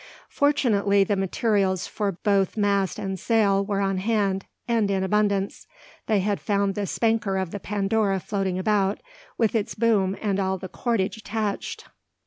Fortunately the materials for both mast and sail were on hand, and in abundance. They had found the "spanker" of the Pandora floating about, with its boom and all the cordage attached.